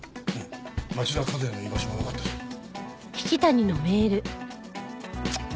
町田和也の居場所がわかったそうだ。